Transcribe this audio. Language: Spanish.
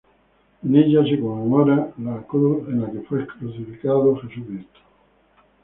En ella se conmemora la Cruz en la que fue crucificado Jesucristo.